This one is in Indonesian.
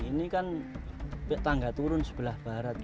ini kan tangga turun sebelah barat